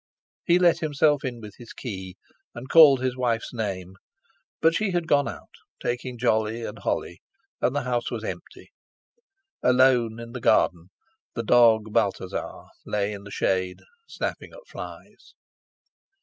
He let himself in with his key, and called his wife's name. But she had gone out, taking Jolly and Holly, and the house was empty; alone in the garden the dog Balthasar lay in the shade snapping at flies.